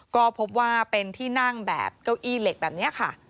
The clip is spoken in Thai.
ก็พบว่าเป็นที่นั่งแบบเก้าอี้เหล็กแบบนี้ค่ะ